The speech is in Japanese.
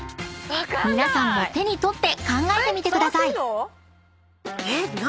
［皆さんも手に取って考えてみてください］えっ⁉何？